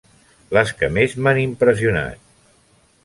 Les que més m'han impressionat.